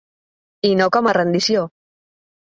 I no com a rendició.